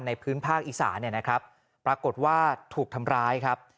พื้นภาคอีสานเนี่ยนะครับปรากฏว่าถูกทำร้ายครับ